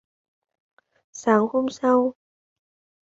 Sáng hôm sau